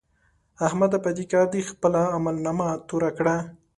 احمده! په دې کار دې خپله عملنامه توره کړه.